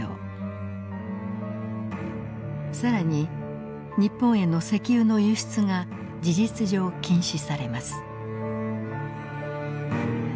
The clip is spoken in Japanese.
更に日本への石油の輸出が事実上禁止されます。